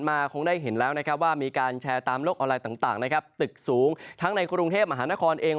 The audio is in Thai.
คงได้เห็นแล้วนะครับว่ามีการแชร์ตามโลกออนไลน์ต่างนะครับตึกสูงทั้งในกรุงเทพมหานครเอง